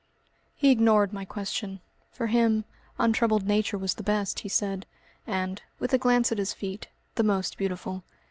He ignored my question. For him, untroubled Nature was the best, he said, and, with a glance at his feet, the most beautiful.